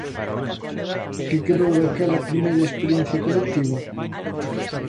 Que quedou daquela primeira experiencia colectiva?